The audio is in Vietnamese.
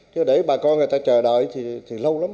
chứ để bà con người ta chờ đợi thì lâu lắm